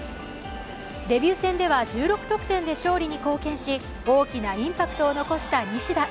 デビュー戦では１６得点で勝利に貢献し大きなインパクトを残した西田。